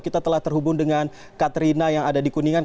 kita telah terhubung dengan katrina yang ada di kuningan